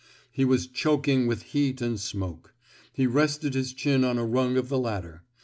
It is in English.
He was choking with heat and smoke. He rested his chin on a rung of the ladder.